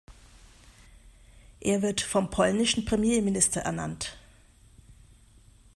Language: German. Er wird vom polnischen Premierminister ernannt.